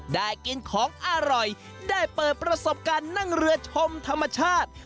ได้กินของอร่อยได้เปิดประสบการณ์นั่งเรือชมธรรมชาติ